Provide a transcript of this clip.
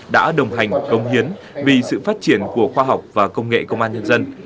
đã đồng hành công hiến vì sự phát triển của khoa học và công nghệ công an nhân dân